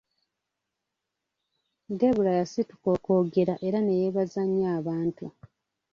Debula yasituka okwogera era ne yeebaza nnyo abantu.